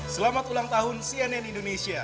selamat ulang tahun cnn indonesia